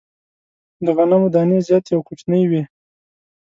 د غنمو دانې زیاتي او کوچنۍ وې.